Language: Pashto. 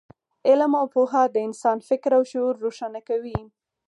علم او پوهه د انسان فکر او شعور روښانه کوي.